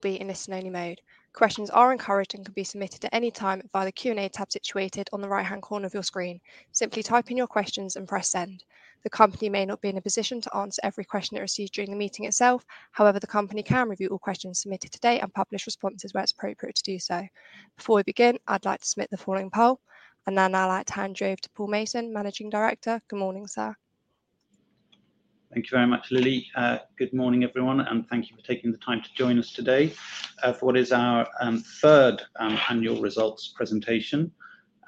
Be in a snowy mode. Questions are encouraged and can be submitted at any time via the Q&A tab situated on the right-hand corner of your screen. Simply type in your questions and press send. The company may not be in a position to answer every question it receives during the meeting itself. However, the company can review all questions submitted today and publish responses where it's appropriate to do so. Before we begin, I'd like to submit the following poll, and then I'll hand you over to Paul Mason, Managing Director. Good morning, sir. Thank you very much, Lily. Good morning, everyone, and thank you for taking the time to join us today for what is our third annual results presentation.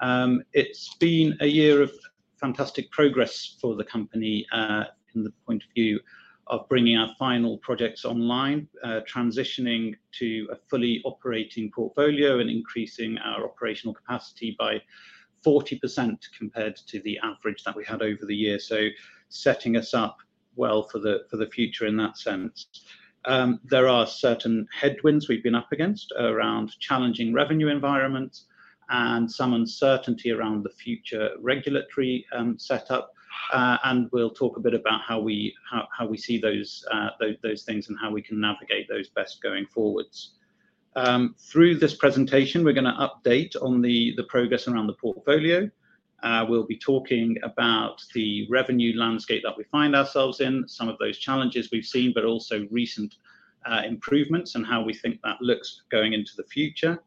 It has been a year of fantastic progress for the company from the point of view of bringing our final projects online, transitioning to a fully operating portfolio, and increasing our operational capacity by 40% compared to the average that we had over the year. This is setting us up well for the future in that sense. There are certain headwinds we have been up against around challenging revenue environments and some uncertainty around the future regulatory setup, and we will talk a bit about how we see those things and how we can navigate those best going forwards. Through this presentation, we are going to update on the progress around the portfolio. We'll be talking about the revenue landscape that we find ourselves in, some of those challenges we've seen, but also recent improvements and how we think that looks going into the future.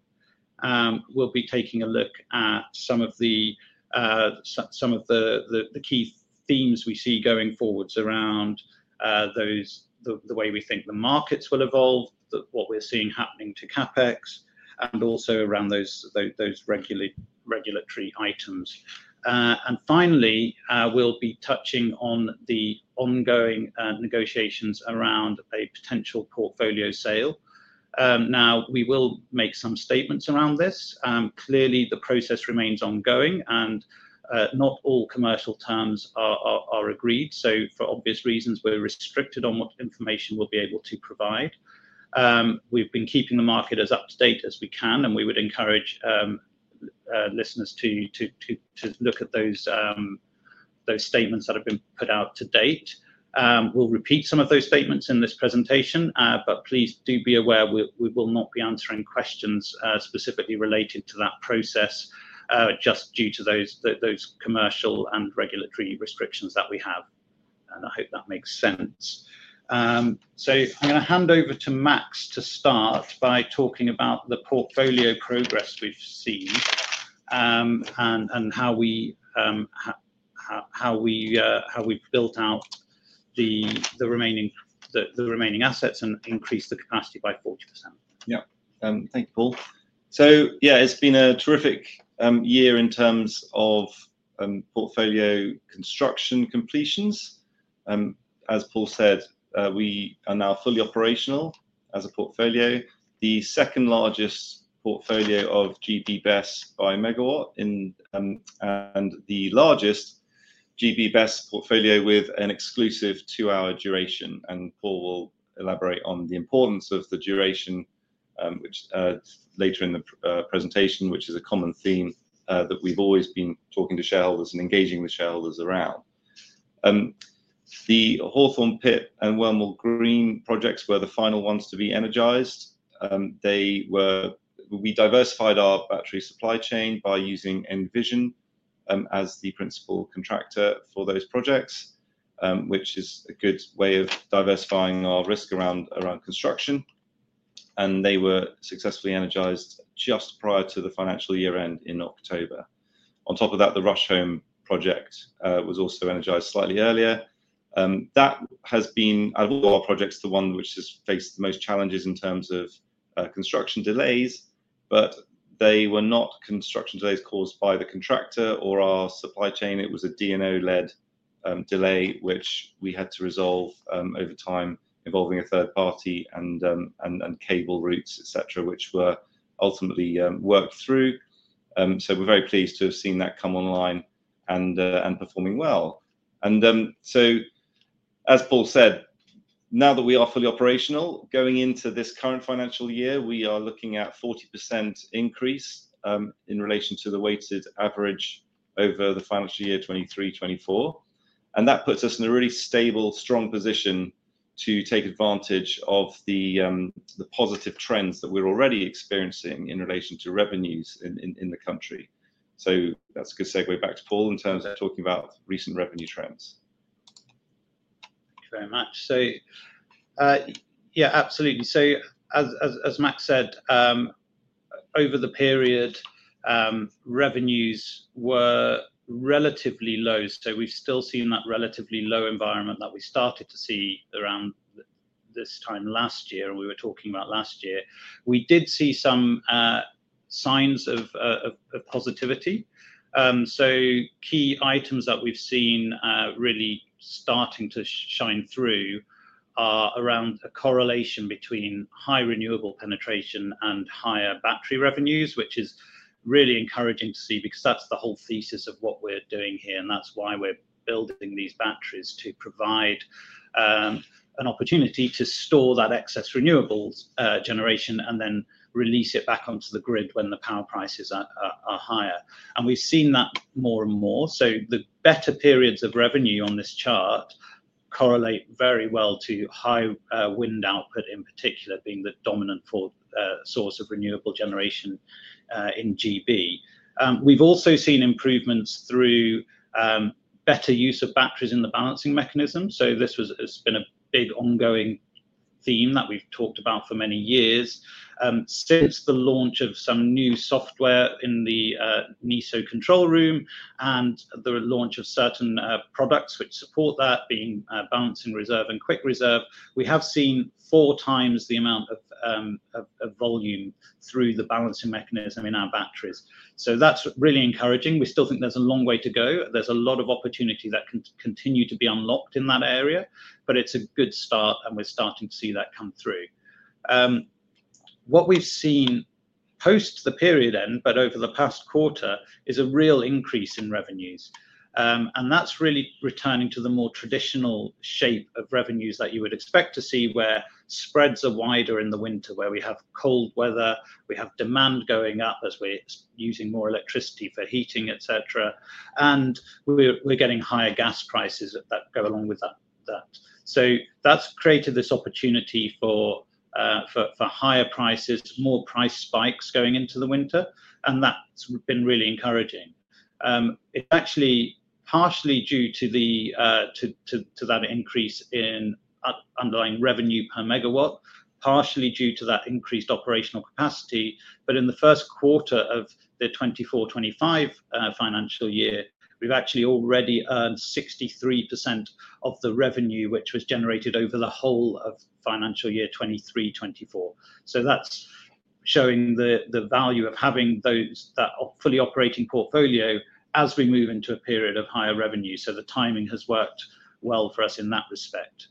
We'll be taking a look at some of the key themes we see going forwards around the way we think the markets will evolve, what we're seeing happening to CapEx, and also around those regulatory items. Finally, we'll be touching on the ongoing negotiations around a potential portfolio sale. Now, we will make some statements around this. Clearly, the process remains ongoing, and not all commercial terms are agreed. For obvious reasons, we're restricted on what information we'll be able to provide. We've been keeping the market as up to date as we can, and we would encourage listeners to look at those statements that have been put out to date. will repeat some of those statements in this presentation, but please do be aware we will not be answering questions specifically related to that process just due to those commercial and regulatory restrictions that we have. I hope that makes sense. I am going to hand over to Max to start by talking about the portfolio progress we have seen and how we have built out the remaining assets and increased the capacity by 40%. Yep. Thank you, Paul. Yeah, it's been a terrific year in terms of portfolio construction completions. As Paul said, we are now fully operational as a portfolio, the second largest portfolio of GB BESS by megawatt, and the largest GB BESS portfolio with an exclusive two-hour duration. Paul will elaborate on the importance of the duration later in the presentation, which is a common theme that we've always been talking to shareholders and engaging with shareholders around. The Hawthorn Pit, and Wormald Green projects were the final ones to be energized. We diversified our battery supply chain by using Envision as the principal contractor for those projects, which is a good way of diversifying our risk around construction. They were successfully energized just prior to the financial year-end in October. On top of that, the Rusholme project was also energized slightly earlier. That has been, out of all our projects, the one which has faced the most challenges in terms of construction delays, but they were not construction delays caused by the contractor or our supply chain. It was a DNO-led delay, which we had to resolve over time, involving a third party and cable routes, etc., which were ultimately worked through. We are very pleased to have seen that come online and performing well. As Paul said, now that we are fully operational, going into this current financial year, we are looking at a 40% increase in relation to the weighted average over the financial year 2023/2024. That puts us in a really stable, strong position to take advantage of the positive trends that we are already experiencing in relation to revenues in the country. That's a good segue back to Paul in terms of talking about recent revenue trends. Thank you very much. Yeah, absolutely. As Max said, over the period, revenues were relatively low. We have still seen that relatively low environment that we started to see around this time last year, and we were talking about last year. We did see some signs of positivity. Key items that we have seen really starting to shine through are around a correlation between high renewable penetration and higher battery revenues, which is really encouraging to see because that is the whole thesis of what we are doing here, and that is why we are building these batteries to provide an opportunity to store that excess renewables generation and then release it back onto the grid when the power prices are higher. We have seen that more and more. The better periods of revenue on this chart correlate very well to high wind output in particular, being the dominant source of renewable generation in GB. We've also seen improvements through better use of batteries in the Balancing Mechanism. This has been a big ongoing theme that we've talked about for many years. Since the launch of some new software in the NESO control room and the launch of certain products which support that, being Balancing Reserve and Quick Reserve, we have seen four times the amount of volume through the Balancing Mechanism in our batteries. That's really encouraging. We still think there's a long way to go. There's a lot of opportunity that can continue to be unlocked in that area, but it's a good start, and we're starting to see that come through. What we've seen post the period end, but over the past quarter, is a real increase in revenues. That's really returning to the more traditional shape of revenues that you would expect to see, where spreads are wider in the winter, where we have cold weather, we have demand going up as we're using more electricity for heating, etc., and we're getting higher gas prices that go along with that. That has created this opportunity for higher prices, more price spikes going into the winter, and that's been really encouraging. It's actually partially due to that increase in underlying revenue per megawatt, partially due to that increased operational capacity, but in the first quarter of the 2024/2025 financial year, we've actually already earned 63% of the revenue which was generated over the whole of financial year 2023/2024. That is showing the value of having that fully operating portfolio as we move into a period of higher revenue. The timing has worked well for us in that respect.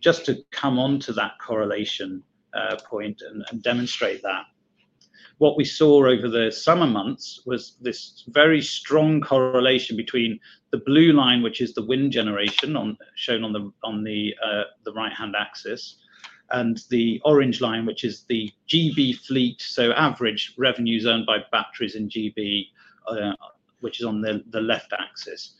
Just to come on to that correlation point and demonstrate that, what we saw over the summer months was this very strong correlation between the blue line, which is the wind generation shown on the right-hand axis, and the orange line, which is the GB fleet, so average revenues earned by batteries in GB, which is on the left axis.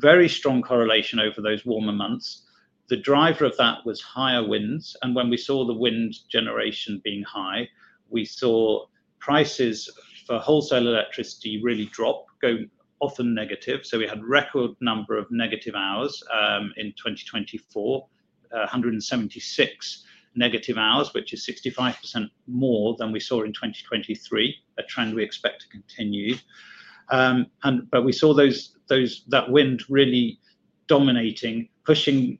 Very strong correlation over those warmer months. The driver of that was higher winds, and when we saw the wind generation being high, we saw prices for wholesale electricity really drop, going often negative. We had a record number of negative hours in 2024, 176 negative hours, which is 65% more than we saw in 2023, a trend we expect to continue. We saw that wind really dominating, pushing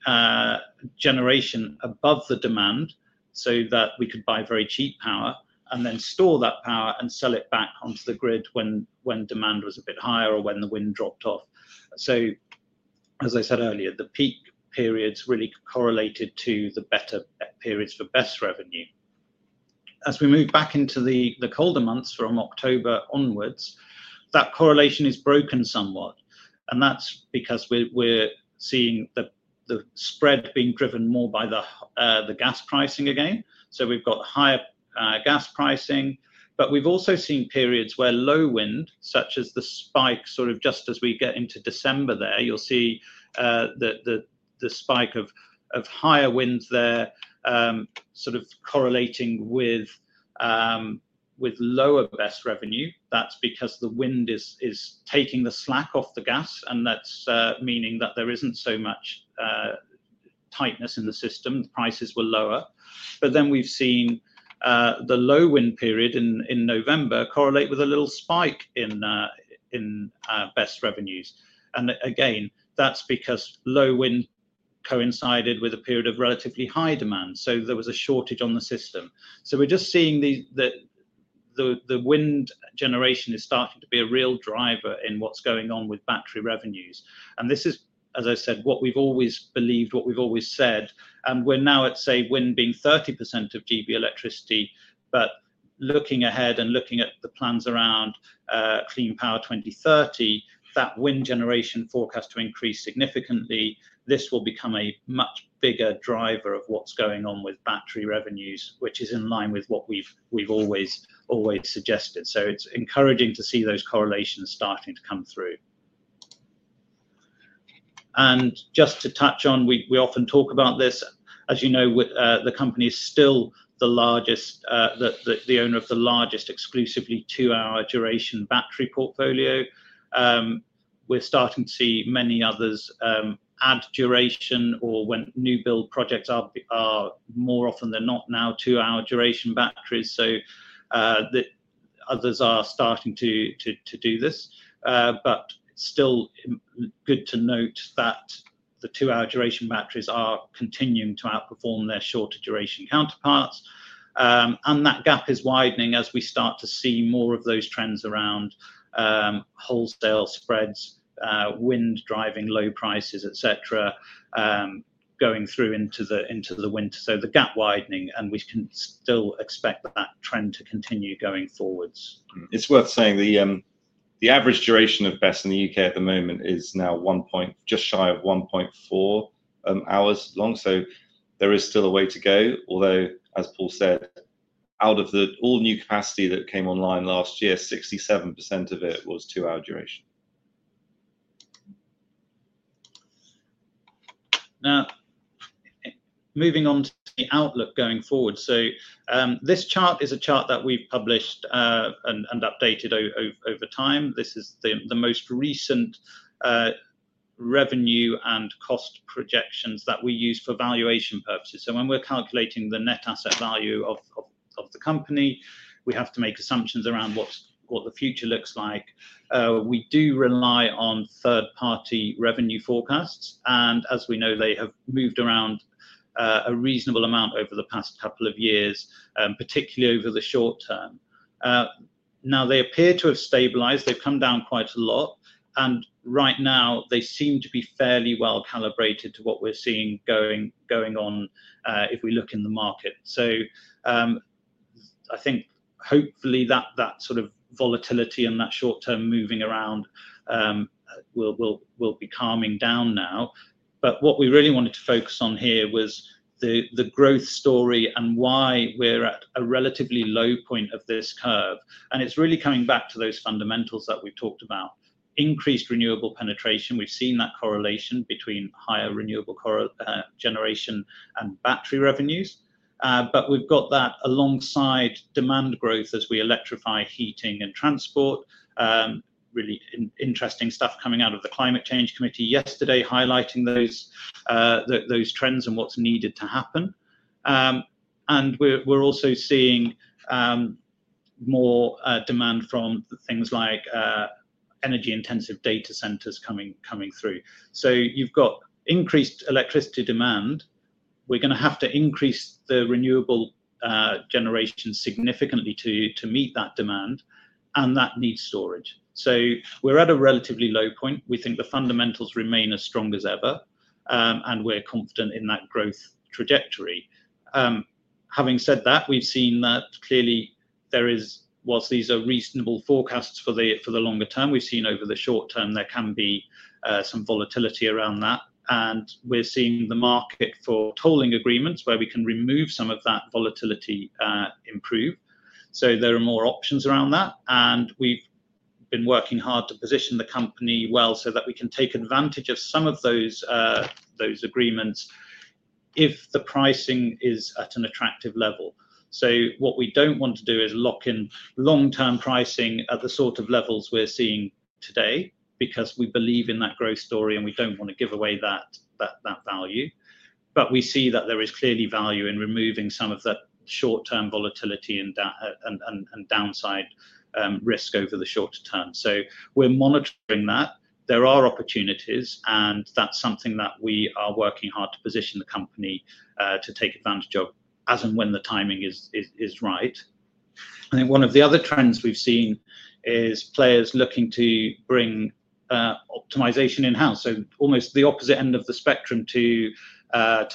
generation above the demand so that we could buy very cheap power and then store that power and sell it back onto the grid when demand was a bit higher or when the wind dropped off. As I said earlier, the peak periods really correlated to the better periods for BESS revenue. As we move back into the colder months from October onwards, that correlation is broken somewhat, and that's because we're seeing the spread being driven more by the gas pricing again. We've got higher gas pricing, but we've also seen periods where low wind, such as the spike, sort of just as we get into December there, you'll see the spike of higher winds there sort of correlating with lower BESS revenue. That's because the wind is taking the slack off the gas, and that's meaning that there isn't so much tightness in the system. The prices were lower. We've seen the low wind period in November correlate with a little spike in BESS revenues. Again, that's because low wind coincided with a period of relatively high demand, so there was a shortage on the system. We're just seeing that the wind generation is starting to be a real driver in what's going on with battery revenues. This is, as I said, what we've always believed, what we've always said. We are now at, say, wind being 30% of GB electricity, but looking ahead and looking at the plans around Clean Power 2030, that wind generation is forecast to increase significantly. This will become a much bigger driver of what is going on with battery revenues, which is in line with what we have always suggested. It is encouraging to see those correlations starting to come through. Just to touch on, we often talk about this. As you know, the company is still the owner of the largest exclusively two-hour duration battery portfolio. We are starting to see many others add duration or when new build projects are more often than not now two-hour duration batteries. Others are starting to do this. It is still good to note that the two-hour duration batteries are continuing to outperform their shorter duration counterparts. That gap is widening as we start to see more of those trends around wholesale spreads, wind driving low prices, etc., going through into the winter. The gap is widening, and we can still expect that trend to continue going forwards. It's worth saying the average duration of BESS in the UK at the moment is now just shy of 1.4 hours long. There is still a way to go, although, as Paul said, out of all the new capacity that came online last year, 67% of it was 2 hour duration. Now, moving on to the outlook going forward. This chart is a chart that we've published and updated over time. This is the most recent revenue and cost projections that we use for valuation purposes. When we're calculating the net asset value of the company, we have to make assumptions around what the future looks like. We do rely on 3rd party revenue forecasts, and as we know, they have moved around a reasonable amount over the past couple of years, particularly over the short term. Now, they appear to have stabilized. They've come down quite a lot. Right now, they seem to be fairly well calibrated to what we're seeing going on if we look in the market. I think hopefully that sort of volatility and that short term moving around will be calming down now. What we really wanted to focus on here was the growth story and why we're at a relatively low point of this curve. It is really coming back to those fundamentals that we've talked about: increased renewable penetration. We've seen that correlation between higher renewable generation and battery revenues. We've got that alongside demand growth as we electrify heating and transport. Really interesting stuff coming out of the Climate Change Committee yesterday highlighting those trends and what needs to happen. We're also seeing more demand from things like energy-intensive data centers coming through. You have increased electricity demand. We're going to have to increase the renewable generation significantly to meet that demand, and that needs storage. We're at a relatively low point. We think the fundamentals remain as strong as ever, and we're confident in that growth trajectory. Having said that, we've seen that clearly there is, whilst these are reasonable forecasts for the longer term, we've seen over the short term there can be some volatility around that. We're seeing the market for tolling agreements where we can remove some of that volatility, improve. There are more options around that. We've been working hard to position the company well so that we can take advantage of some of those agreements if the pricing is at an attractive level. What we don't want to do is lock in long-term pricing at the sort of levels we're seeing today because we believe in that growth story and we don't want to give away that value. We see that there is clearly value in removing some of that short-term volatility and downside risk over the shorter term. We're monitoring that. There are opportunities, and that's something that we are working hard to position the company to take advantage of as and when the timing is right. I think one of the other trends we've seen is players looking to bring optimization in-house. Almost the opposite end of the spectrum to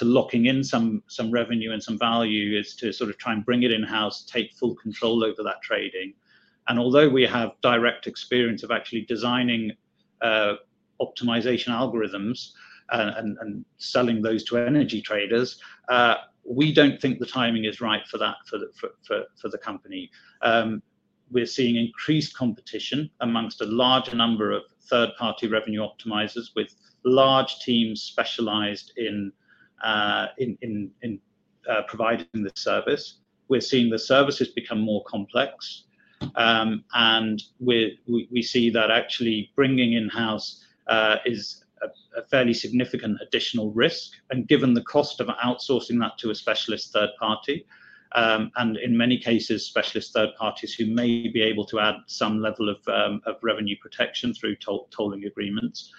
locking in some revenue and some value is to sort of try and bring it in-house, take full control over that trading. Although we have direct experience of actually designing optimization algorithms and selling those to energy traders, we don't think the timing is right for that for the company. We're seeing increased competition amongst a large number of 3rd party revenue optimizers with large teams specialized in providing the service. We're seeing the services become more complex, and we see that actually bringing in-house is a fairly significant additional risk. Given the cost of outsourcing that to a specialist third party, and in many cases, specialist third parties who may be able to add some level of revenue protection through tolling agreements,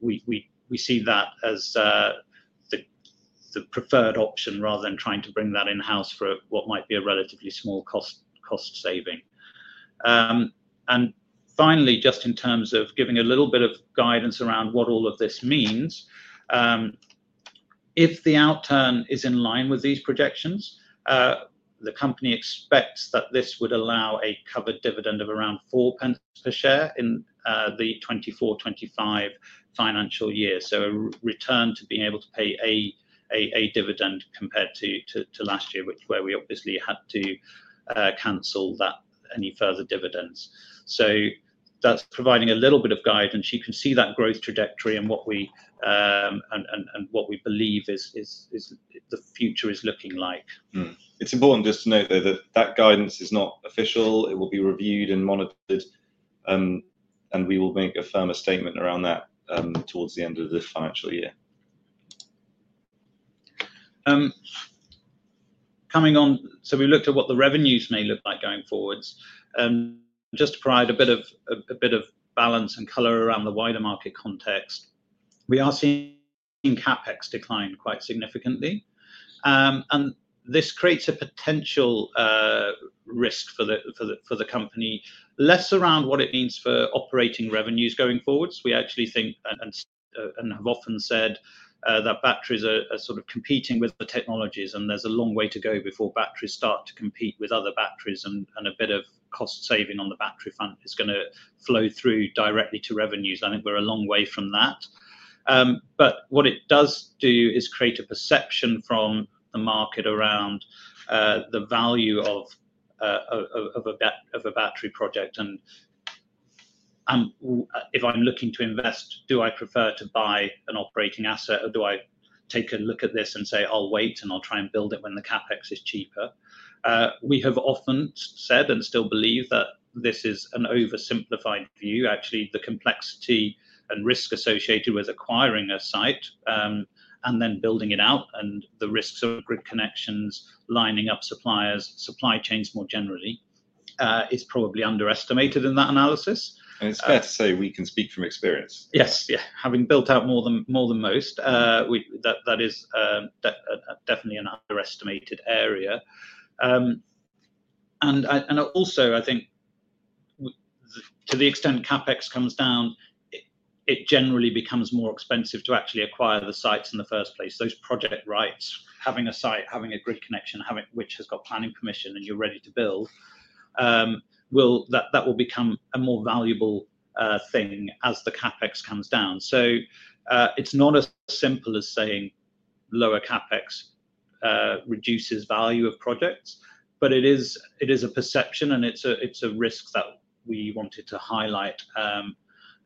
we see that as the preferred option rather than trying to bring that in-house for what might be a relatively small cost saving. Finally, just in terms of giving a little bit of guidance around what all of this means, if the outturn is in line with these projections, the company expects that this would allow a covered dividend of around 0.04 per share in the 2024/2025 financial year. A return to being able to pay a dividend compared to last year, where we obviously had to cancel any further dividends. That is providing a little bit of guidance. You can see that growth trajectory and what we believe the future is looking like. It's important just to note there that that guidance is not official. It will be reviewed and monitored, and we will make a firmer statement around that towards the end of this financial year. Coming on, we looked at what the revenues may look like going forwards. Just to provide a bit of balance and color around the wider market context, we are seeing CapEx decline quite significantly. This creates a potential risk for the company, less around what it means for operating revenues going forwards. We actually think, and have often said, that batteries are sort of competing with the technologies, and there is a long way to go before batteries start to compete with other batteries, and a bit of cost saving on the battery front is going to flow through directly to revenues. I think we are a long way from that. What it does do is create a perception from the market around the value of a battery project. If I'm looking to invest, do I prefer to buy an operating asset, or do I take a look at this and say, "I'll wait and I'll try and build it when the CapEx is cheaper"? We have often said and still believe that this is an oversimplified view. Actually, the complexity and risk associated with acquiring a site and then building it out and the risks of grid connections, lining up suppliers, supply chains more generally, is probably underestimated in that analysis. It is fair to say we can speak from experience. Yes, yeah, having built out more than most, that is definitely an underestimated area. Also, I think to the extent CapEx comes down, it generally becomes more expensive to actually acquire the sites in the first place. Those project rights, having a site, having a grid connection, which has got planning permission and you are ready to build, that will become a more valuable thing as the CapEx comes down. It is not as simple as saying lower CapEx reduces value of projects, but it is a perception, and it is a risk that we wanted to highlight.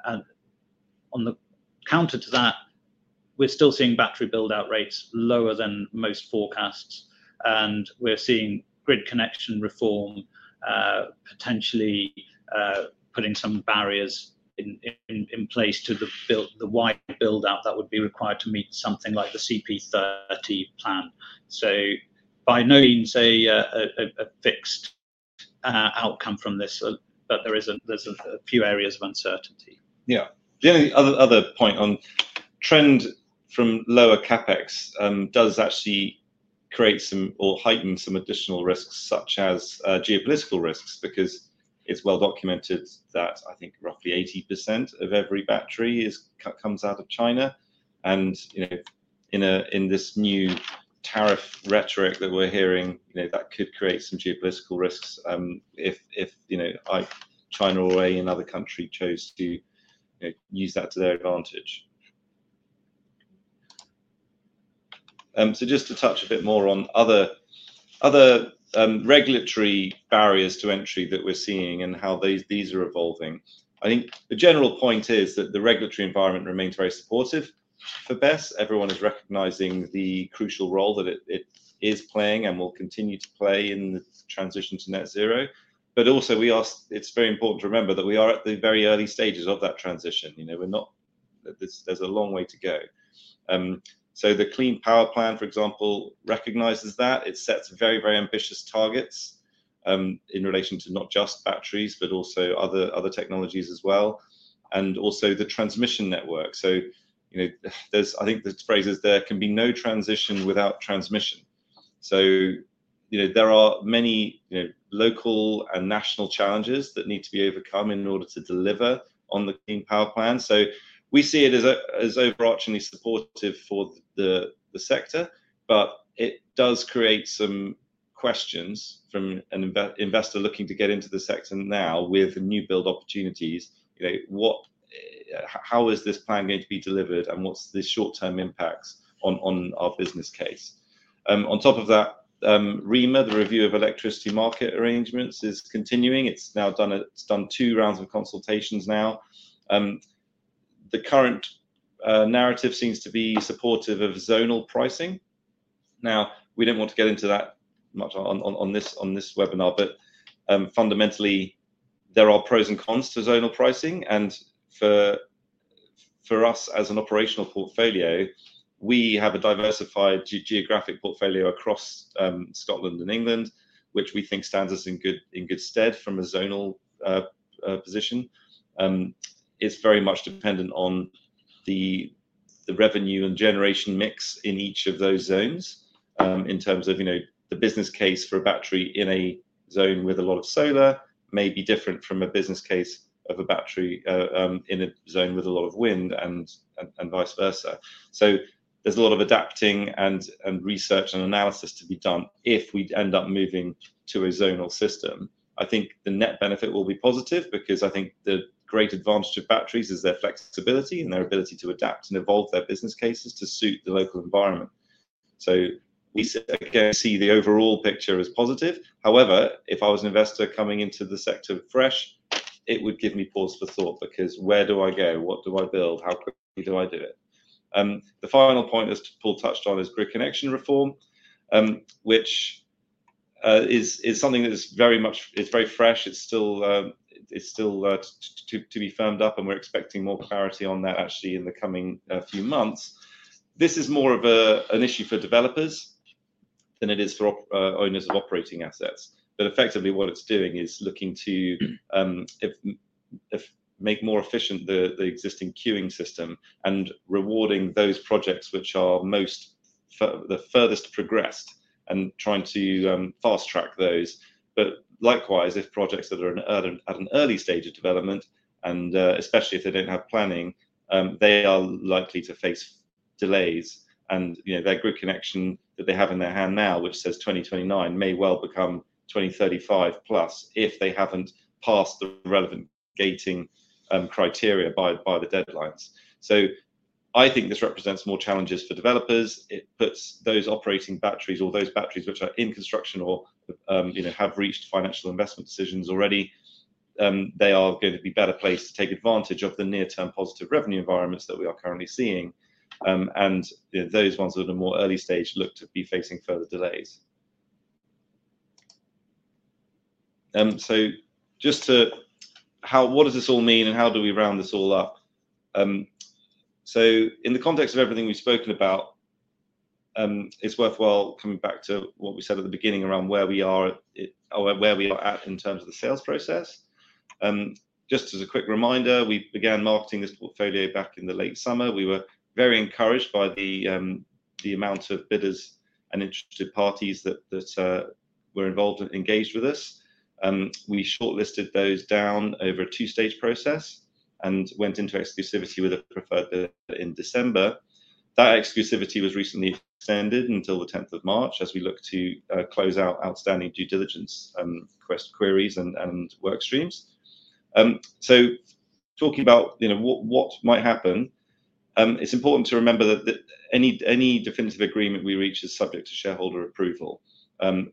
On the counter to that, we are still seeing battery buildout rates lower than most forecasts, and we are seeing grid connection reform potentially putting some barriers in place to the wide buildout that would be required to meet something like the Clean Power 2030 plan. By no means a fixed outcome from this, but there's a few areas of uncertainty. Yeah. The other point on trend from lower CapEx does actually create some or heighten some additional risks, such as geopolitical risks, because it's well documented that I think roughly 80% of every battery comes out of China. In this new tariff rhetoric that we're hearing, that could create some geopolitical risks if China or any other country chose to use that to their advantage. Just to touch a bit more on other regulatory barriers to entry that we're seeing and how these are evolving. I think the general point is that the regulatory environment remains very supportive for BESS. Everyone is recognizing the crucial role that it is playing and will continue to play in the transition to net zero. Also, it's very important to remember that we are at the very early stages of that transition. There's a long way to go. The Clean Power Plan, for example, recognizes that. It sets very, very ambitious targets in relation to not just batteries, but also other technologies as well. Also, the transmission network. I think the phrase is, "There can be no transition without transmission." There are many local and national challenges that need to be overcome in order to deliver on the Clean Power Plan. We see it as overarchingly supportive for the sector, but it does create some questions from an investor looking to get into the sector now with new build opportunities. How is this plan going to be delivered, and what's the short-term impacts on our business case? On top of that, REMA, the Review of Electricity Market Arrangements, is continuing. It has done two rounds of consultations now. The current narrative seems to be supportive of zonal pricing. Now, we don't want to get into that much on this webinar, but fundamentally, there are pros and cons to zonal pricing. For us, as an operational portfolio, we have a diversified geographic portfolio across Scotland and England, which we think stands us in good stead from a zonal position. It's very much dependent on the revenue and generation mix in each of those zones in terms of the business case for a battery in a zone with a lot of solar may be different from a business case of a battery in a zone with a lot of wind and vice versa. There is a lot of adapting and research and analysis to be done if we end up moving to a zonal system. I think the net benefit will be positive because I think the great advantage of batteries is their flexibility and their ability to adapt and evolve their business cases to suit the local environment. We see the overall picture as positive. However, if I was an investor coming into the sector fresh, it would give me pause for thought because where do I go? What do I build? How quickly do I do it? The final point, as Paul touched on, is grid connection reform, which is something that is very much very fresh. It's still to be firmed up, and we're expecting more clarity on that actually in the coming few months. This is more of an issue for developers than it is for owners of operating assets. Effectively, what it's doing is looking to make more efficient the existing queuing system and rewarding those projects which are the furthest progressed and trying to fast track those. Likewise, if projects that are at an early stage of development, and especially if they don't have planning, they are likely to face delays. Their grid connection that they have in their hand now, which says 2029, may well become 2035 plus if they haven't passed the relevant gating criteria by the deadlines. I think this represents more challenges for developers. It puts those operating batteries, or those batteries which are in construction or have reached financial investment decisions already, they are going to be better placed to take advantage of the near-term positive revenue environments that we are currently seeing. Those ones that are in a more early stage look to be facing further delays. Just to what does this all mean and how do we round this all up? In the context of everything we've spoken about, it's worthwhile coming back to what we said at the beginning around where we are at in terms of the sales process. Just as a quick reminder, we began marketing this portfolio back in the late summer. We were very encouraged by the amount of bidders and interested parties that were involved and engaged with us. We shortlisted those down over a 2 stage process and went into exclusivity with a preferred bidder in December. That exclusivity was recently extended until the 10th of March as we look to close out outstanding due diligence request queries and work streams. Talking about what might happen, it's important to remember that any definitive agreement we reach is subject to shareholder approval.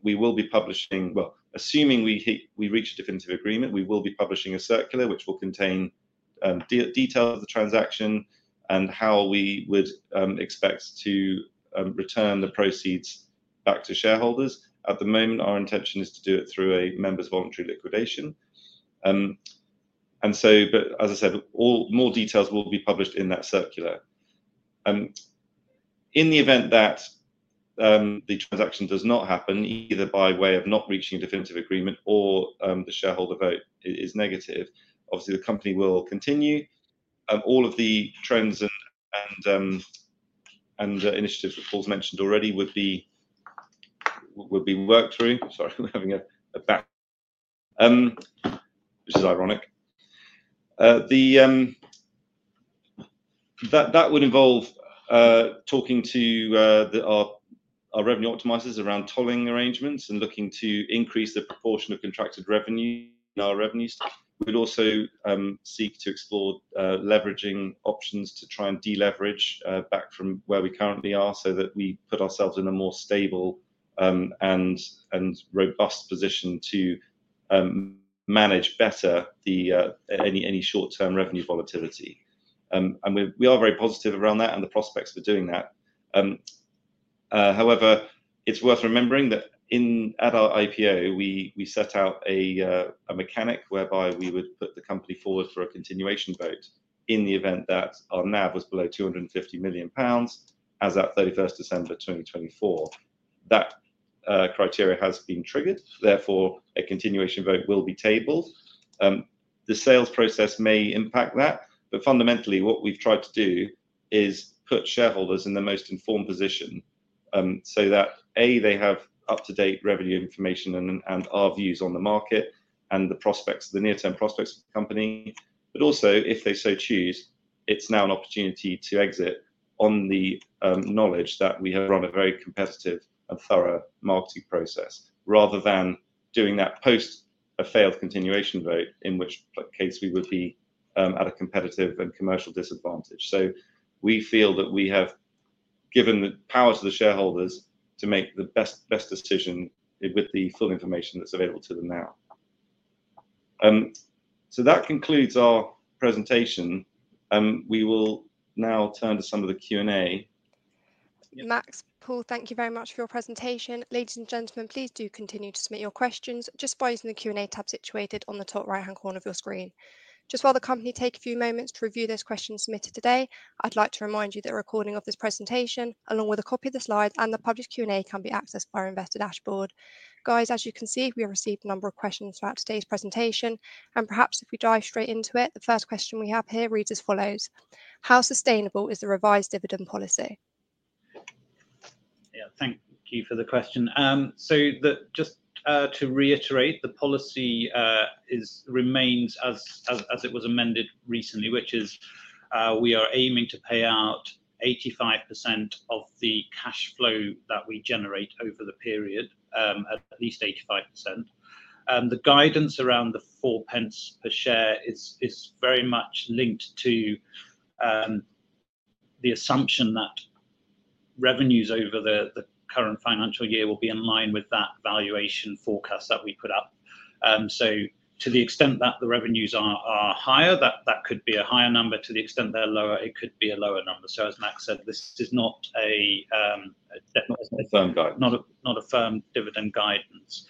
We will be publishing, well, assuming we reach a definitive agreement, we will be publishing a circular which will contain details of the transaction and how we would expect to return the proceeds back to shareholders. At the moment, our intention is to do it through a members' voluntary liquidation. As I said, more details will be published in that circular. In the event that the transaction does not happen, either by way of not reaching a definitive agreement or the shareholder vote is negative, obviously the company will continue. All of the trends and initiatives that Paul's mentioned already would be worked through. Sorry, we're having a bang, which is ironic. That would involve talking to our revenue optimizers around tolling arrangements and looking to increase the proportion of contracted revenue in our revenues. We'd also seek to explore leveraging options to try and deleverage back from where we currently are so that we put ourselves in a more stable and robust position to manage better any short-term revenue volatility. We are very positive around that and the prospects for doing that. However, it's worth remembering that at our IPO, we set out a mechanic whereby we would put the company forward for a continuation vote in the event that our NAV was below 250 million pounds as of 31 December 2024. That criteria has been triggered. Therefore, a co ntinuation vote will be tabled. The sales process may impact that, but fundamentally, what we've tried to do is put shareholders in the most informed position so that, A, they have up-to-date revenue information and our views on the market and the prospects, the near-term prospects of the company. Also, if they so choose, it's now an opportunity to exit on the knowledge that we have run a very competitive and thorough marketing process rather than doing that post a failed continuation vote, in which case we would be at a competitive and commercial disadvantage. We feel that we have given the power to the shareholders to make the best decision with the full information that's available to them now. That concludes our presentation. We will now turn to some of the Q&A. Max, Paul, thank you very much for your presentation. Ladies and gentlemen, please do continue to submit your questions just by using the Q&A tab situated on the top right-hand corner of your screen. Just while the company takes a few moments to review those questions submitted today, I'd like to remind you that a recording of this presentation, along with a copy of the slides and the published Q&A, can be accessed by our investor dashboard. Guys, as you can see, we have received a number of questions throughout today's presentation. Perhaps if we dive straight into it, the first question we have here reads as follows: How sustainable is the revised dividend policy? Yeah, thank you for the question. Just to reiterate, the policy remains as it was amended recently, which is we are aiming to pay out at least 85% of the cash flow that we generate over the period. The guidance around the 4 pence per share is very much linked to the assumption that revenues over the current financial year will be in line with that valuation forecast that we put up. To the extent that the revenues are higher, that could be a higher number. To the extent they're lower, it could be a lower number. As Max said, this is not a firm dividend guidance.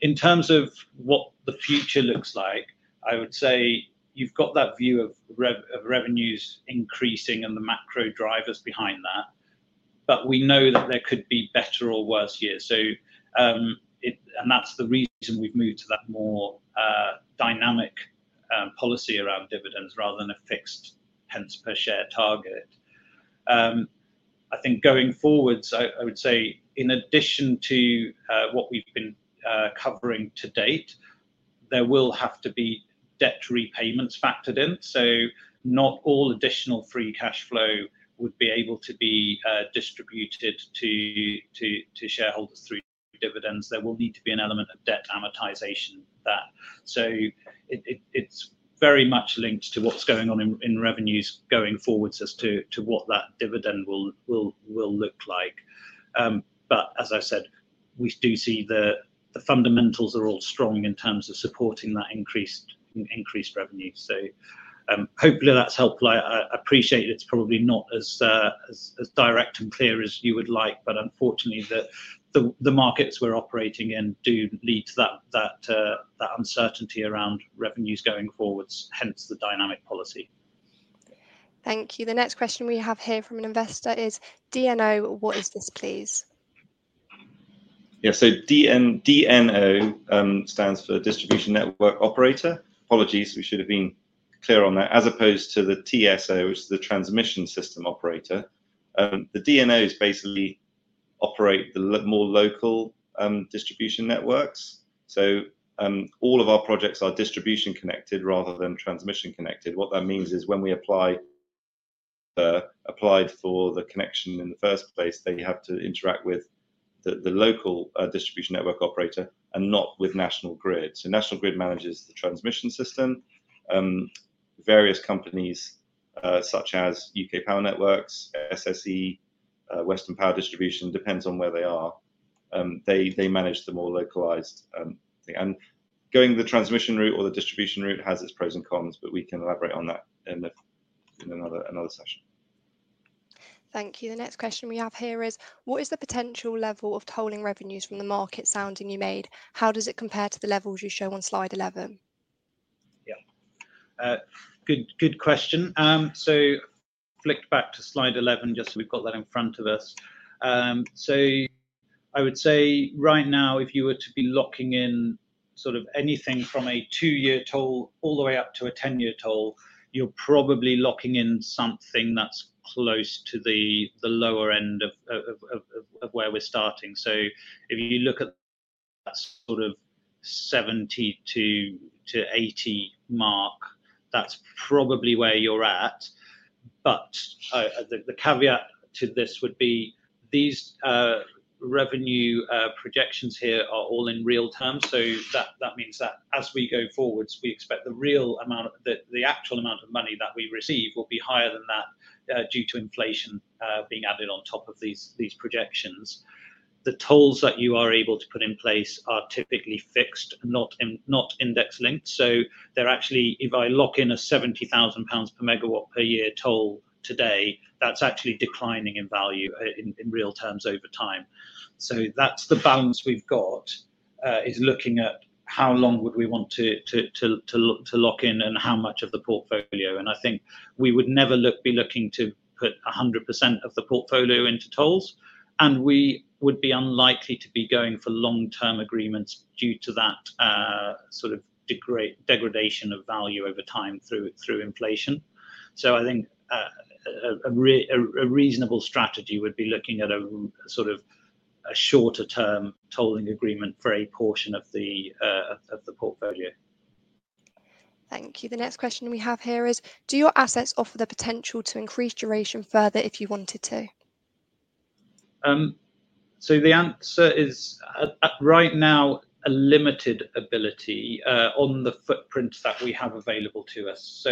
In terms of what the future looks like, I would say you've got that view of revenues increasing and the macro drivers behind that, but we know that there could be better or worse years. That is the reason we have moved to that more dynamic policy around dividends rather than a fixed pence per share target. I think going forwards, I would say in addition to what we have been covering to date, there will have to be debt repayments factored in. Not all additional free cash flow would be able to be distributed to shareholders through dividends. There will need to be an element of debt amortization for that. It is very much linked to what is going on in revenues going forwards as to what that dividend will look like. As I said, we do see the fundamentals are all strong in terms of supporting that increased revenue. Hopefully that is helpful. I appreciate it's probably not as direct and clear as you would like, but unfortunately, the markets we're operating in do lead to that uncertainty around revenues going forwards, hence the dynamic policy. Thank you. The next question we have here from an investor is DNO. What is this, please? Yeah, so DNO stands for Distribution Network Operator. Apologies, we should have been clear on that, as opposed to the TSO, which is the Transmission System Operator. The DNOs basically operate the more local distribution networks. All of our projects are distribution connected rather than transmission connected. What that means is when we applied for the connection in the first place, they have to interact with the local Distribution Network Operator and not with National Grid. National Grid manages the transmission system. Various companies such as UK Power Networks, SSE, Western Power Distribution, depends on where they are. They manage the more localized thing. Going the transmission route or the distribution route has its pros and cons, but we can elaborate on that in another session. Thank you. The next question we have here is: What is the potential level of tolling revenues from the market sounding you made? How does it compare to the levels you show on slide 11? Yeah, good question. Flicked back to slide 11 just so we've got that in front of us. I would say right now, if you were to be locking in sort of anything from a 2 year toll all the way up to a 10-year toll, you're probably locking in something that's close to the lower end of where we're starting. If you look at that sort of 70 to 80 mark, that's probably where you're at. The caveat to this would be these revenue projections here are all in real terms. That means that as we go forwards, we expect the real amount, the actual amount of money that we receive will be higher than that due to inflation being added on top of these projections. The tolls that you are able to put in place are typically fixed, not index linked. They're actually, if I lock in 70,000 pounds per megawatt per year toll today, that's actually declining in value in real terms over time. That's the balance we've got is looking at how long would we want to lock in and how much of the portfolio. I think we would never be looking to put 100% of the portfolio into tolls. We would be unlikely to be going for long-term agreements due to that sort of degradation of value over time through inflation. I think a reasonable strategy would be looking at a sort of shorter-term tolling agreement for a portion of the portfolio. Thank you. The next question we have here is: Do your assets offer the potential to increase duration further if you wanted to? The answer is right now a limited ability on the footprint that we have available to us.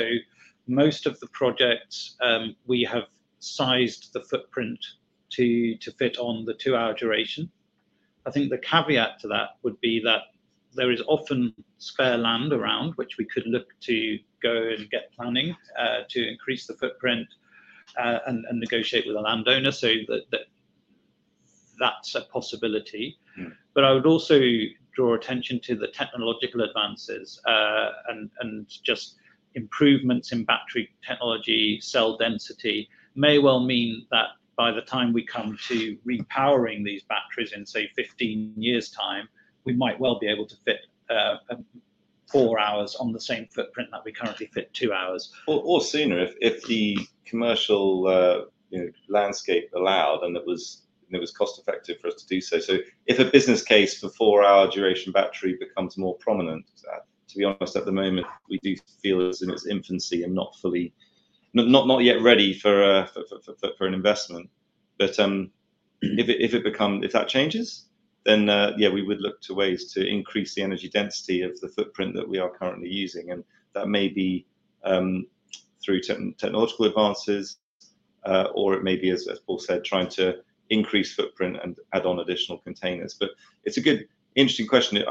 Most of the projects, we have sized the footprint to fit on the 2 hour duration. I think the caveat to that would be that there is often spare land around, which we could look to go and get planning to increase the footprint and negotiate with a landowner. That is a possibility. I would also draw attention to the technological advances and just improvements in battery technology, cell density may well mean that by the time we come to repowering these batteries in, say, 15 years' time, we might well be able to fit four hours on the same footprint that we currently fit two hours. Or sooner if the commercial landscape allowed and it was cost-effective for us to do so. If a business case for 4 hour duration battery becomes more prominent, to be honest, at the moment, we do feel it's in its infancy and not yet ready for an investment. If that changes, then yeah, we would look to ways to increase the energy density of the footprint that we are currently using. That may be through technological advances, or it may be, as Paul said, trying to increase footprint and add on additional containers. It's a good, interesting question.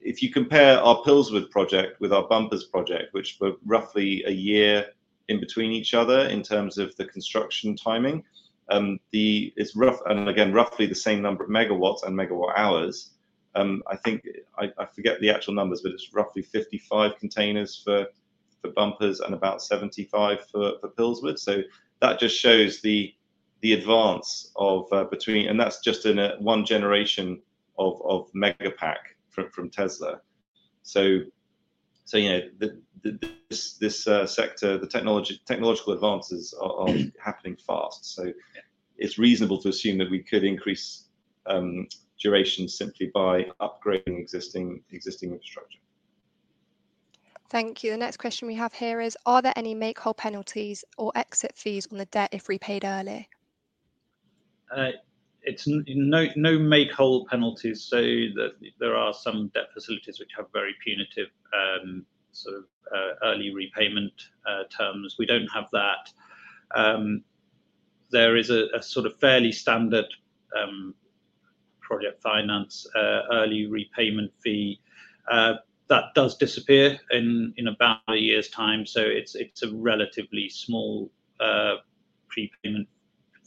If you compare our Pillswood project with our Bumpers project, which were roughly a year in between each other in terms of the construction timing, it's rough, and again, roughly the same number of megawatts and megawatt hours. I think I forget the actual numbers, but it's roughly 55 containers for Bumpers and about 75 for Pillswood. That just shows the advance of between, and that's just in one generation of Megapack from Tesla. Yeah, this sector, the technological advances are happening fast. It's reasonable to assume that we could increase duration simply by upgrading existing infrastructure. Thank you. The next question we have here is: Are there any make-whole penalties or exit fees on the debt if repaid early? No make-hole penalties. There are some debt facilities which have very punitive sort of early repayment terms. We do not have that. There is a sort of fairly standard project finance early repayment fee that does disappear in about a year's time. It is a relatively small prepayment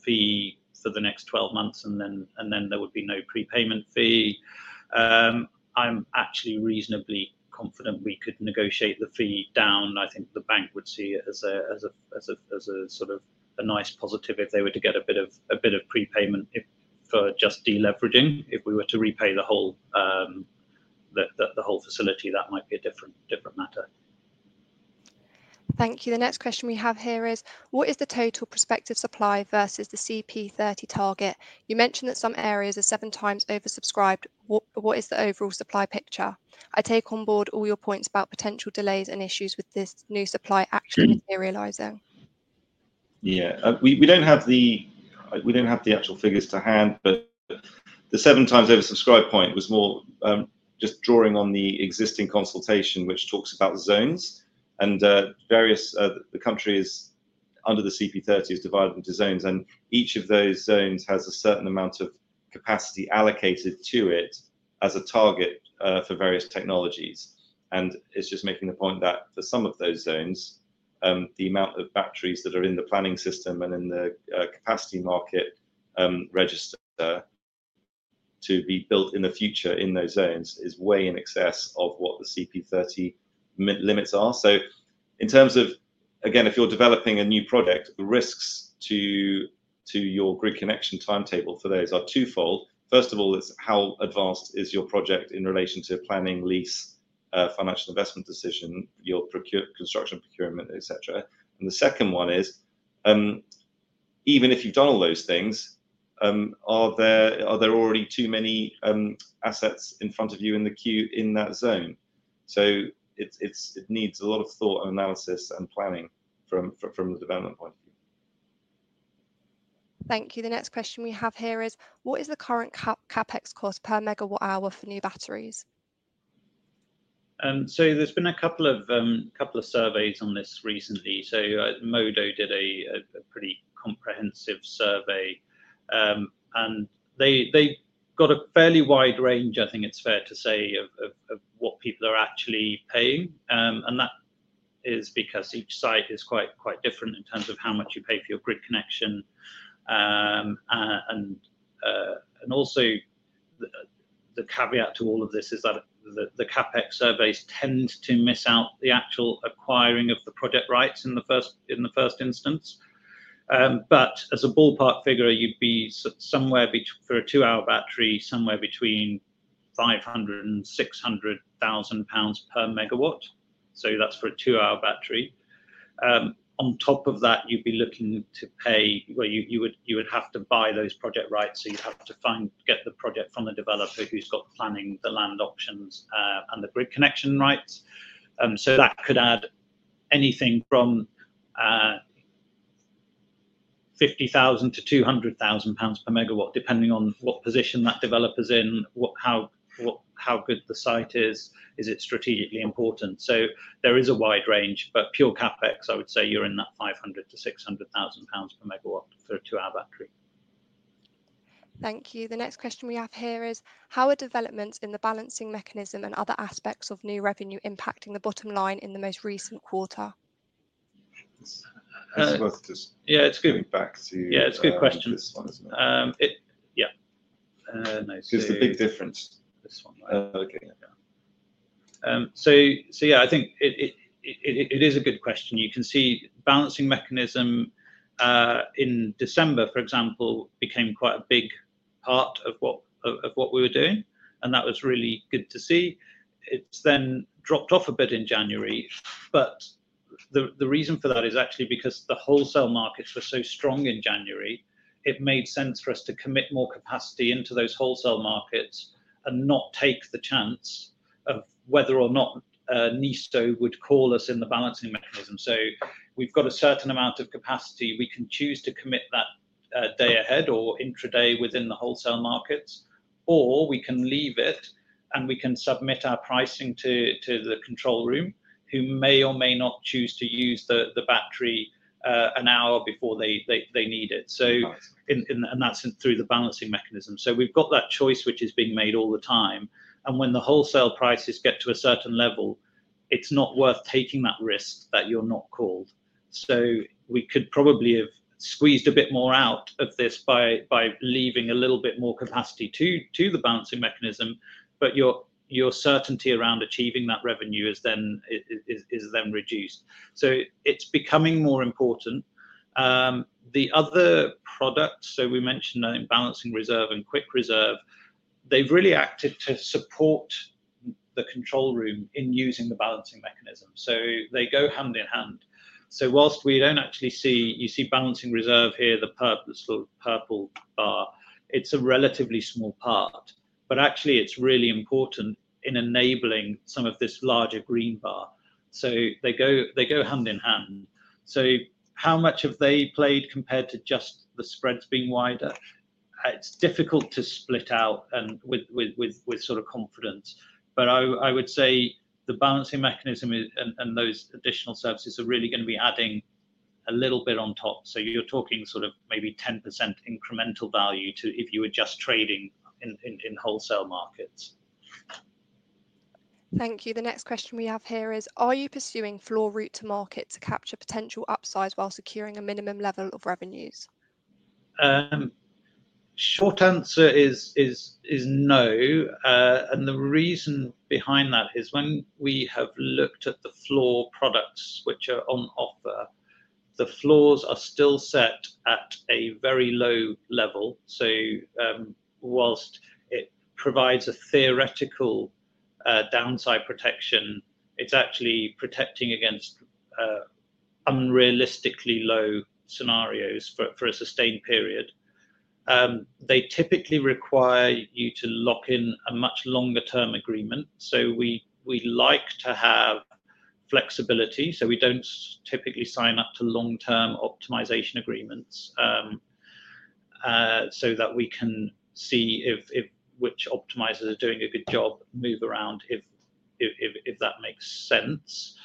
fee for the next 12 months, and then there would be no prepayment fee. I am actually reasonably confident we could negotiate the fee down. I think the bank would see it as a sort of a nice positive if they were to get a bit of prepayment for just deleveraging. If we were to repay the whole facility, that might be a different matter. Thank you. The next question we have here is: What is the total prospective supply versus the CP30 target? You mentioned that some areas are seven times oversubscribed. What is the overall supply picture? I take on board all your points about potential delays and issues with this new supply actually materializing. Yeah, we don't have the actual figures to hand, but the seven times oversubscribe point was more just drawing on the existing consultation, which talks about zones. The country is under the CP30, is divided into zones, and each of those zones has a certain amount of capacity allocated to it as a target for various technologies. It is just making the point that for some of those zones, the amount of batteries that are in the planning system and in the capacity market register to be built in the future in those zones is way in excess of what the CP30 limits are. In terms of, again, if you're developing a new project, the risks to your grid connection timetable for those are twofold. First of all, it's how advanced is your project in relation to planning, lease, financial investment decision, your construction procurement, etc. The second one is, even if you've done all those things, are there already too many assets in front of you in that zone? It needs a lot of thought and analysis and planning from the development point of view. Thank you. The next question we have here is: What is the current CapEx cost per megawatt hour for new batteries? There has been a couple of surveys on this recently. Modo did a pretty comprehensive survey, and they got a fairly wide range, I think it is fair to say, of what people are actually paying. That is because each site is quite different in terms of how much you pay for your grid connection. Also, the caveat to all of this is that the CapEx surveys tend to miss out the actual acquiring of the project rights in the first instance. As a ballpark figure, you would be somewhere for a 2 hour battery, somewhere between 500,000 to 600,000 pounds per megawatt. That is for a 2 hour battery. On top of that, you would be looking to pay, you would have to buy those project rights. You would have to get the project from the developer who has got planning, the land options, and the grid connection rights. That could add anything from 50,000 to 200,000 pounds per megawatt, depending on what position that developer's in, how good the site is, is it strategically important. There is a wide range, but pure CapEx, I would say you're in that 500,000 to 600,000 pounds per megawatt for a 2 hour battery. Thank you. The next question we have here is: How are developments in the balancing mechanism and other aspects of new revenue impacting the bottom line in the most recent quarter? Yeah, it's going back to. Yeah, it's a good question. Yeah. There's a big difference. Yeah, I think it is a good question. You can see the balancing mechanism in December, for example, became quite a big part of what we were doing, and that was really good to see. It has then dropped off a bit in January, but the reason for that is actually because the wholesale markets were so strong in January, it made sense for us to commit more capacity into those wholesale markets and not take the chance of whether or not National Grid would call us in the balancing mechanism. We have got a certain amount of capacity. We can choose to commit that day ahead or intraday within the wholesale markets, or we can leave it and we can submit our pricing to the control room, who may or may not choose to use the battery an hour before they need it. In that sense, through the balancing mechanism, we've got that choice, which is being made all the time. When the wholesale prices get to a certain level, it's not worth taking that risk that you're not called. We could probably have squeezed a bit more out of this by leaving a little bit more capacity to the balancing mechanism, but your certainty around achieving that revenue is then reduced. It's becoming more important. The other products, we mentioned Balancing Reserve and Quick Reserve, they've really acted to support the control room in using the balancing mechanism. They go hand in hand. Whilst we don't actually see, you see Balancing Reserve here, the sort of purple bar, it's a relatively small part, but actually it's really important in enabling some of this larger green bar. They go hand in hand. How much have they played compared to just the spreads being wider? It's difficult to split out with sort of confidence, but I would say the balancing mechanism and those additional services are really going to be adding a little bit on top. You're talking sort of maybe 10% incremental value to if you were just trading in wholesale markets. Thank you. The next question we have here is: Are you pursuing floor route to market to capture potential upside while securing a minimum level of revenues? Short answer is no. The reason behind that is when we have looked at the floor products which are on offer, the floors are still set at a very low level. While it provides a theoretical downside protection, it is actually protecting against unrealistically low scenarios for a sustained period. They typically require you to lock in a much longer-term agreement. We like to have flexibility. We do not typically sign up to long-term optimization agreements so that we can see which optimizers are doing a good job, move around if that makes sense.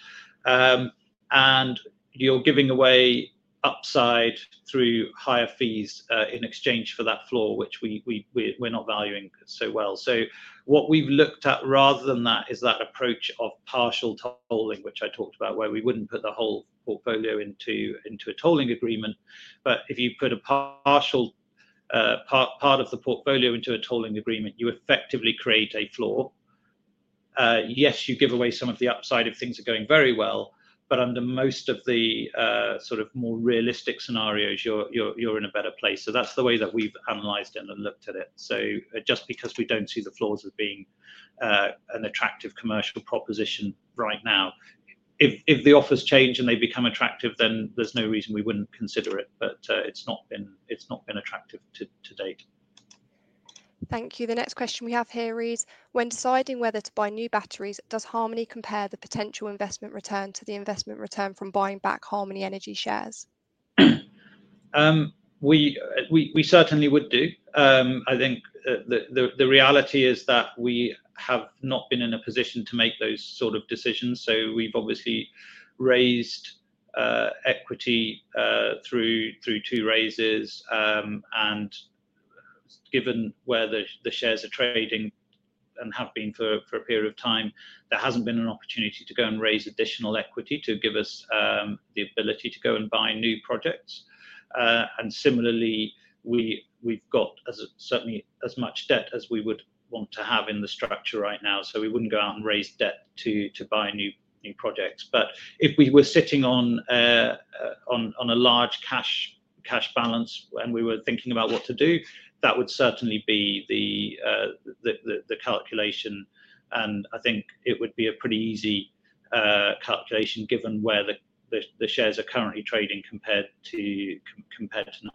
You are giving away upside through higher fees in exchange for that floor, which we are not valuing so well. What we have looked at rather than that is that approach of partial tolling, which I talked about, where we would not put the whole portfolio into a tolling agreement. If you put a partial part of the portfolio into a tolling agreement, you effectively create a floor. Yes, you give away some of the upside if things are going very well, but under most of the sort of more realistic scenarios, you're in a better place. That is the way that we've analyzed and looked at it. Just because we do not see the floors as being an attractive commercial proposition right now, if the offers change and they become attractive, then there is no reason we would not consider it, but it has not been attractive to date. Thank you. The next question we have here is: When deciding whether to buy new batteries, does Harmony compare the potential investment return to the investment return from buying back Harmony Energy shares? We certainly would do. I think the reality is that we have not been in a position to make those sort of decisions. We have obviously raised equity through two raises, and given where the shares are trading and have been for a period of time, there has not been an opportunity to go and raise additional equity to give us the ability to go and buy new projects. Similarly, we have certainly as much debt as we would want to have in the structure right now. We would not go out and raise debt to buy new projects. If we were sitting on a large cash balance and we were thinking about what to do, that would certainly be the calculation. I think it would be a pretty easy calculation given where the shares are currently trading compared to now.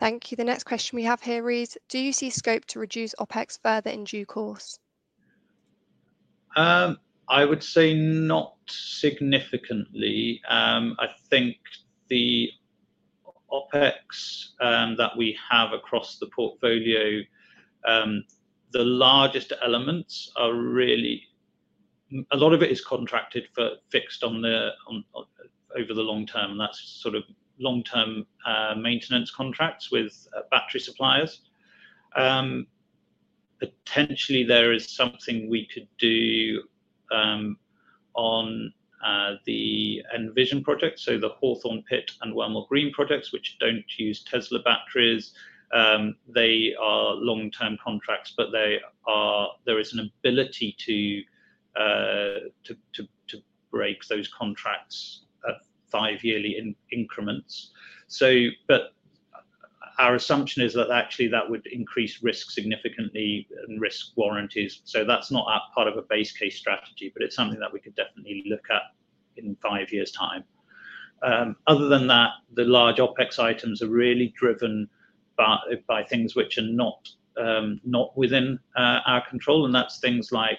Thank you. The next question we have here is: Do you see scope to reduce OPEX further in due course? I would say not significantly. I think the OPEX that we have across the portfolio, the largest elements are really, a lot of it is contracted for fixed over the long term, and that's sort of long-term maintenance contracts with battery suppliers. Potentially, there is something we could do on the Envision projects, so the Hawthorne Pitt and Wilmore Green projects, which do not use Tesla batteries. They are long-term contracts, but there is an ability to break those contracts at 5 yearly increments. Our assumption is that actually that would increase risk significantly and risk warranties. That is not part of a base case strategy, but it is something that we could definitely look at in five years' time. Other than that, the large OPEX items are really driven by things which are not within our control, and that's things like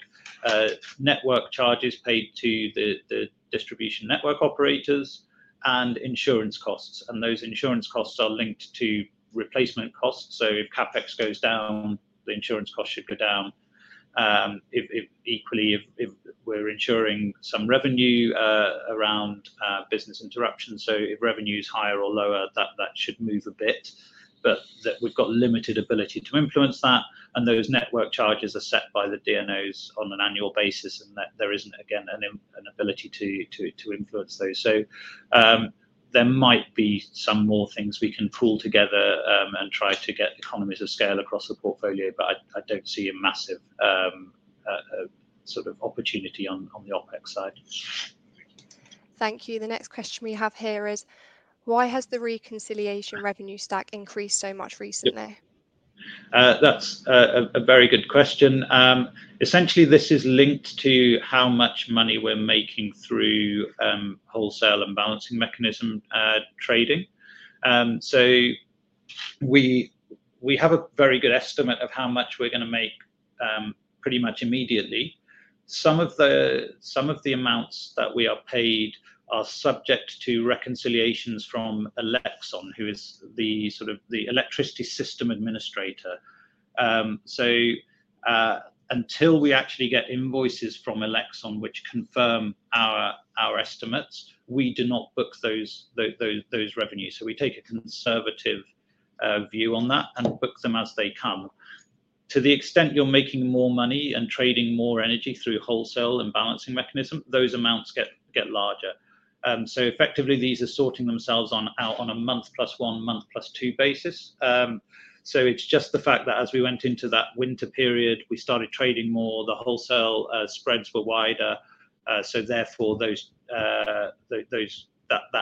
network charges paid to the distribution network operators and insurance costs. Those insurance costs are linked to replacement costs. If CapEx goes down, the insurance costs should go down. Equally, if we're insuring some revenue around business interruptions, if revenue is higher or lower, that should move a bit, but we've got limited ability to influence that. Those network charges are set by the DNOs on an annual basis, and there isn't, again, an ability to influence those. There might be some more things we can pull together and try to get economies of scale across the portfolio, but I don't see a massive sort of opportunity on the OPEX side. Thank you. The next question we have here is: Why has the reconciliation revenue stack increased so much recently? That's a very good question. Essentially, this is linked to how much money we're making through wholesale and balancing mechanism trading. We have a very good estimate of how much we're going to make pretty much immediately. Some of the amounts that we are paid are subject to reconciliations from Elexon, who is the sort of electricity system administrator. Until we actually get invoices from Elexon, which confirm our estimates, we do not book those revenues. We take a conservative view on that and book them as they come. To the extent you're making more money and trading more energy through wholesale and balancing mechanism, those amounts get larger. Effectively, these are sorting themselves out on a month plus one, month plus two basis. It is just the fact that as we went into that winter period, we started trading more, the wholesale spreads were wider, so therefore that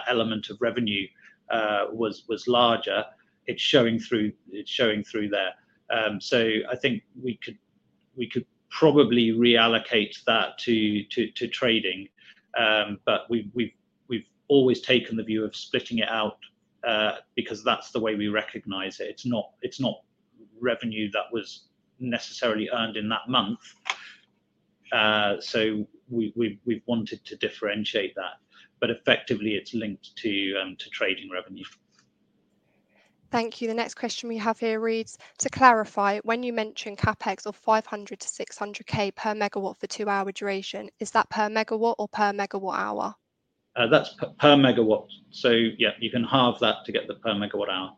element of revenue was larger. It is showing through there. I think we could probably reallocate that to trading, but we have always taken the view of splitting it out because that is the way we recognize it. It is not revenue that was necessarily earned in that month. We have wanted to differentiate that, but effectively, it is linked to trading revenue. Thank you. The next question we have here reads, to clarify, when you mention CapEx of 500,000 to 600,000 per megawatt for 2 hour duration, is that per megawatt or per megawatt-hour? That's per megawatt. Yeah, you can halve that to get the per megawatt-hour.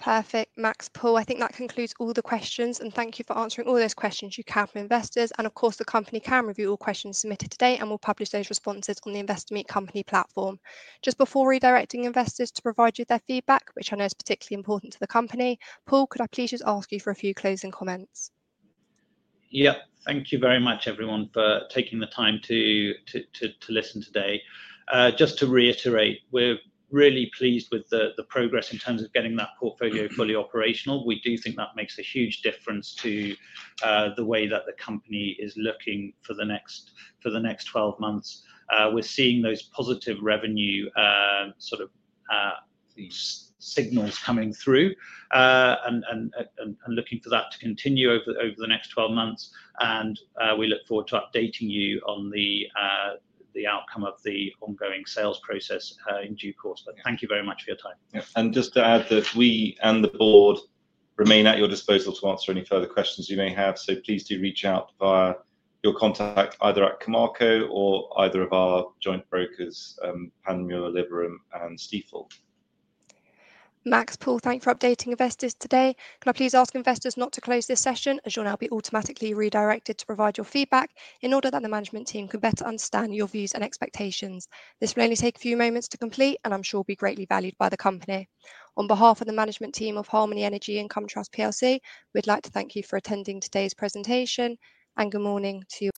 Perfect. Max, Pull, I think that concludes all the questions, and thank you for answering all those questions. You can, for investors, and of course, the company can review all questions submitted today and will publish those responses on the Investor Meet Company platform. Just before redirecting investors to provide you their feedback, which I know is particularly important to the company, Paul, could I please just ask you for a few closing comments? Yeah, thank you very much, everyone, for taking the time to listen today. Just to reiterate, we're really pleased with the progress in terms of getting that portfolio fully operational. We do think that makes a huge difference to the way that the company is looking for the next 12 months. We're seeing those positive revenue sort of signals coming through and looking for that to continue over the next 12 months. We look forward to updating you on the outcome of the ongoing sales process in due course. Thank you very much for your time. We and the board remain at your disposal to answer any further questions you may have. Please do reach out via your contact either at Camarco or either of our joint brokers, Panmure Liberum, and Stifel. Max Pull, thank you for updating investors today. Can I please ask investors not to close this session as you'll now be automatically redirected to provide your feedback in order that the management team can better understand your views and expectations? This will only take a few moments to complete, and I'm sure will be greatly valued by the company. On behalf of the management team of Harmony Energy and Harmony Energy Income Trust, we'd like to thank you for attending today's presentation, and good morning to you.